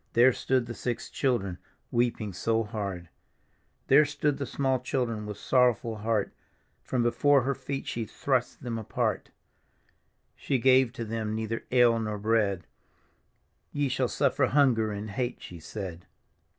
There stood the six children weeping so hard. D,gt,, erihyGOOgle The Haunted Hour There stood the small children with sorrowful heart; From before her feet she thrust them apart She gave to them neither ale nor bread ;" Ye shall suffer hunger and hate," she said.